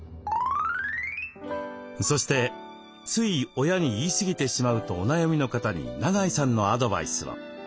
そして「つい親に言い過ぎてしまう」とお悩みの方に永井さんのアドバイスを。